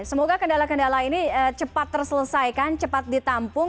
semoga kendala kendala ini cepat terselesaikan cepat ditampung